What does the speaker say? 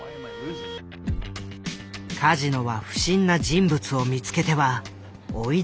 カジノは不審な人物を見つけては追い出していった。